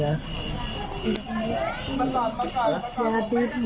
ได้นะ